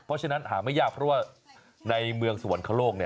เพราะฉะนั้นหาไม่ยากเพราะว่าในเมืองสวรรคโลก